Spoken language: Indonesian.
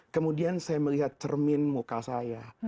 kemudian saya melihat cermin muka saya